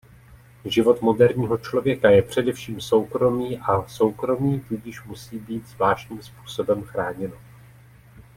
Život moderního člověka je především soukromý a soukromí tudíž musí být zvláštním způsobem chráněno.